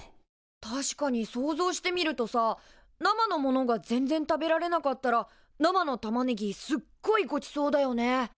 確かに想像してみるとさ生のものが全然食べられなかったら生のタマネギすっごいごちそうだよね。